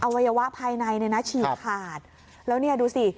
วัยวะภายในเนี่ยนะฉีกขาดแล้วเนี่ยดูสิ